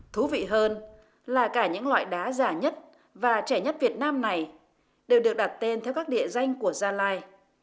thú vị hơn là cả những loại đá giả nhất và trẻ nhất việt nam này đều được đặt tên theo các địa danh của gia lai